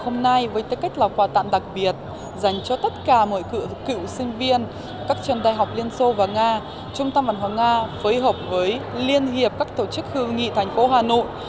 mời cựu sinh viên các trường đại học liên xô và nga trung tâm văn hóa nga phối hợp với liên hiệp các tổ chức hữu nghị thành phố hà nội